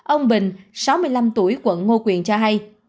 ông bình sáu mươi năm tuổi quận ngô quyền cho hay